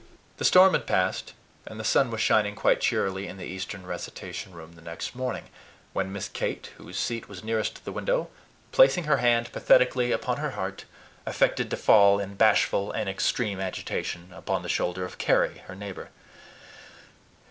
The storm had passed, and the sun was shining quite cheerily in the eastern recitation room the next morning when Miss Kate, whose seat was nearest the window, placing her hand pathetically upon her heart, affected to fall in bashful and extreme agitation upon the shoulder of Carry, her neighbor.